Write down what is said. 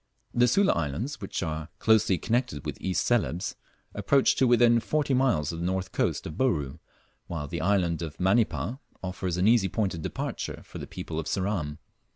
The Sula Islands, which are closely connected with East Celebes, approach to within forty miles of the north coast of Bouru, while the island of Manipa offers an easy point of departure for the people of Ceram.